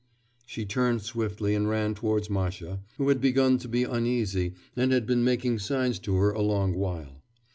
She turned swiftly and ran towards Masha, who had begun to be uneasy and had been making signs to her a long while.